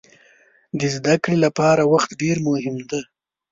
د زده کړې لپاره وخت ډېر مهم دی.